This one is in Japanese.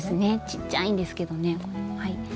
ちっちゃいんですけどね。